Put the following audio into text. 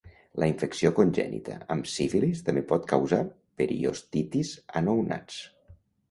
La infecció congènita amb sífilis també pot causar periostitis a nounats.